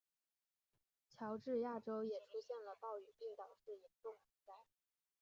乔治亚州也出现了暴雨并导致严重洪灾。